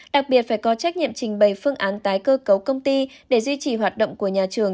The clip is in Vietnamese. đặc biệt phải có trách nhiệm trình bày phương án tái cơ cấu công ty để duy trì hoạt động của nhà trường